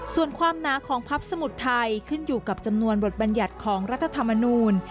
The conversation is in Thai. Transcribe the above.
ส่วนความหนาของพักสมุทรไทยขึ้นอยู่กับจำนวนบทบัญญัติของรัฐธรรมนูล